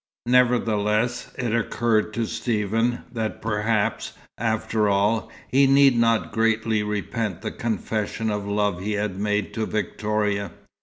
Nevertheless, it occurred to Stephen that perhaps, after all, he need not greatly repent the confession of love he had made to Victoria.